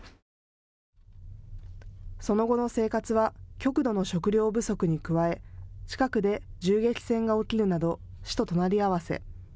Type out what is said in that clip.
その後の生活は極度の食料不足に加え近くで銃撃戦が起きるなど死と隣り合わせ。